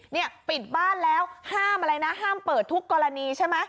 เนี่ยปิดบ้านแล้วห้ามอะไรนะห้ามเปิดทุกกรณีใช่ไหม